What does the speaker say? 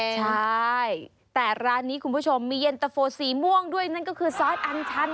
ใช่แต่ร้านนี้คุณผู้ชมมีเย็นตะโฟสีม่วงด้วยนั่นก็คือซอสอันชัน